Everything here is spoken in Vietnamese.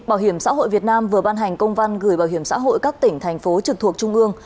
bảo hiểm xã hội việt nam vừa ban hành công văn gửi bảo hiểm xã hội các tỉnh thành phố trực thuộc trung ương